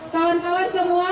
tawan tawan semua atau